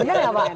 oh benar ya pak